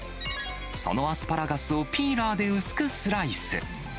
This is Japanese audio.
そのアスパラガスをピーラーで薄くスライス。